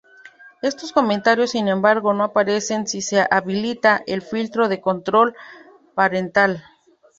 Estos comentarios, sin embargo, no aparecen si se habilita el filtro de Control Parental.